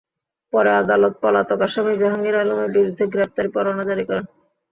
পরে আদালত পলাতক আসামি জাহাঙ্গীর আলমের বিরুদ্ধে গ্রেপ্তারি পরোয়ানা জারি করেন।